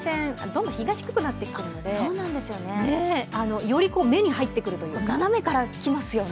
秋、紫外線、どうも日がこくなっていているのでより目に入るというか斜めから来ますよね